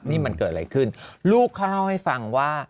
นี่มันเกิดอะไรขึ้นลูกเขาเล่าให้ฟังว่า